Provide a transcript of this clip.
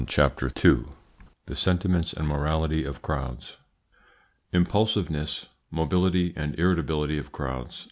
CHAPTER II THE SENTIMENTS AND MORALITY OF CROWDS 1. IMPULSIVENESS, MOBILITY, AND IRRITABILITY OF CROWDS.